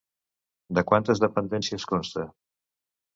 De quantes dependències consta?